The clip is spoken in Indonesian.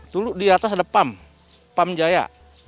dulu di atas ada pam pam jaya